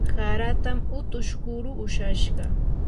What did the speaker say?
haratam utush kuru ushashqa.